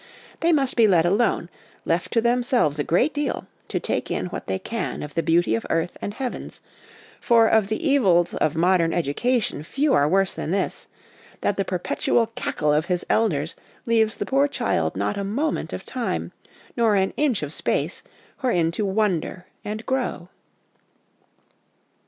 They must be let alone, left to themselves a great deal, to take in what they can of the beauty of earth and heavens ; for of the evils of modern education few are worse than this that the perpetual cackle of his elders leaves the poor child not a moment of time, nor an inch of space, wherein to wonder and grow.